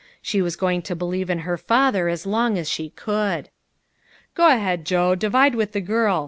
She was going to believe in her father as long as she could. " Go ahead, Joe, divide with the girl.